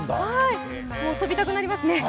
飛びたくなりますね。